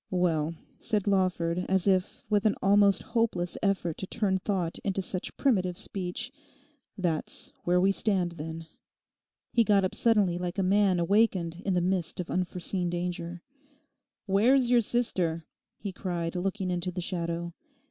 'Well,' said Lawford, as if with an almost hopeless effort to turn thought into such primitive speech, 'that's where we stand, then.' He got up suddenly like a man awakened in the midst of unforeseen danger, 'Where is your sister?' he cried, looking into the shadow.